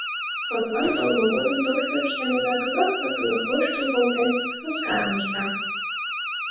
Шотлан толмо годым, тоштыж семынак лык-лык-лык воштыл колтен, мыскарам ышта.